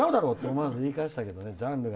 思わず言い返したけどね。